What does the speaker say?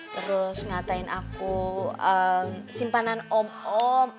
terus ngatain aku simpanan om home